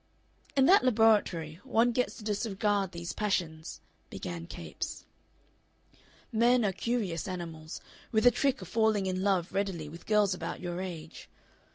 "In that laboratory one gets to disregard these passions," began Capes. "Men are curious animals, with a trick of falling in love readily with girls about your age.